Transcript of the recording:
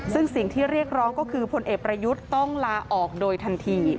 ซึ่งสิ่งที่เรียกร้องก็คือพลเอกประยุทธ์ต้องลาออกโดยทันที